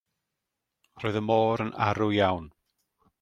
Roedd y môr yn arw iawn.